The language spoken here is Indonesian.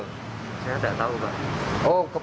saya nggak tahu pak